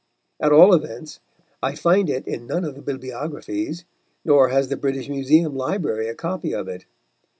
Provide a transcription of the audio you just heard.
At all events I find it in none of the bibliographies, nor has the British Museum Library a copy of it.